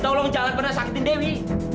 tolong jangan pernah sakitin dewi